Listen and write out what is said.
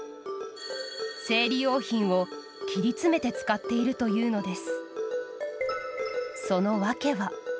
生理用品を切り詰めて使っているというのです。